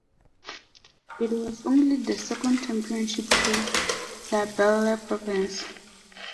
It was only the second championship for "La Belle Province".